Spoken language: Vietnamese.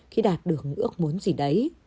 khi đạt được ước muốn gì đấy